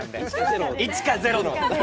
１か０の。